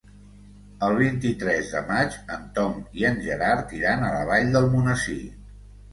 El vint-i-tres de maig en Tom i en Gerard iran a la Vall d'Almonesir.